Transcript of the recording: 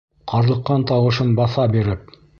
Ҡарлыҡҡан тауышын баҫа биреп: